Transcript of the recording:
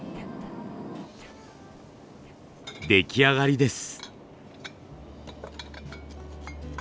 出来上がりです。